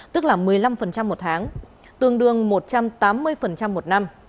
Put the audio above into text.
tức là một mươi năm một tháng tương đương một trăm tám mươi một năm